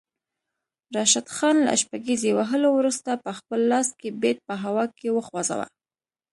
راشد خان له شپږیزې وهلو وروسته پخپل لاس کې بیټ په هوا کې وخوځاوه